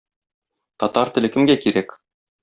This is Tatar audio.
Татар теле кемгә кирәк?